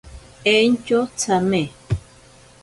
Entyo tsame.